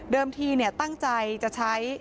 เดิมทีเนี่ยตั้งใจจะใช้